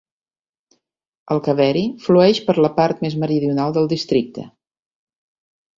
El Kaveri flueix per la part més meridional del districte.